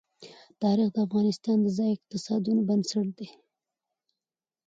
تاریخ د افغانستان د ځایي اقتصادونو بنسټ دی.